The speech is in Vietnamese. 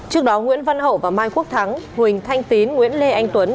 trước đó nguyễn văn hậu và mai quốc thắng huỳnh thanh tín nguyễn lê anh tuấn